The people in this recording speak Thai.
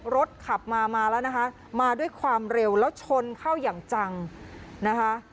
รถขับมามาแล้วนะคะมาด้วยความเร็วแล้วชนเข้าอย่างจังนะคะ